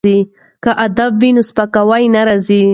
که ادب وي نو سپکاوی نه راځي.